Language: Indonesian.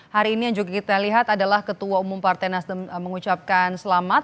hari ini yang juga kita lihat adalah ketua umum partai nasdem mengucapkan selamat